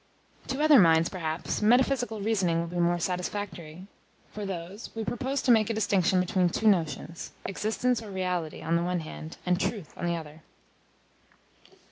To other minds, perhaps, metaphysical reasoning will be more satisfactory. For those, we propose to make a distinction between two notions, Existence or Reality, on the one hand, and Truth, on the other.